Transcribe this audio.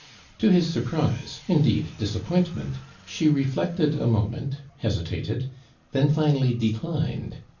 To his surprise, indeed, disap pointment, she reflected a moment, hesita ted, then finally declined.